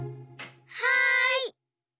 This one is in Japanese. はい！